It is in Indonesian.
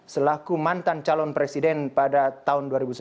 selaku mantan calon presiden pada tahun dua ribu sembilan belas